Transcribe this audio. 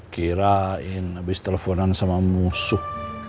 kirain abis teleponan sama musuh